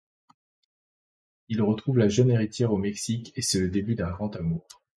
Il retrouve la jeune héritière au Mexique et c'est le début d'un grand amour.